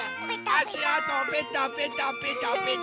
あしあとペタペタペタペタ。